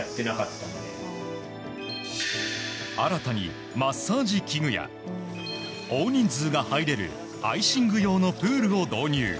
新たにマッサージ器具や大人数が入れるアイシング用のプールを導入。